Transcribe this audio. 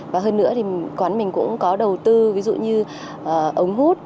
và hơn nữa thì quán mình cũng có đầu tư ví dụ như ống hút